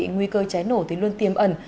nguy cơ cháy nổ thì luôn tiêm ẩn